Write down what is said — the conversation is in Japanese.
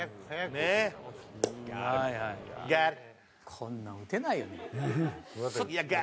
「こんなん打てないよね」